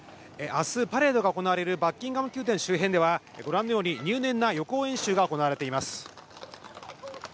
明日パレードが行われるバッキンガム宮殿周辺ではご覧のように、入念な予行演習が行われています。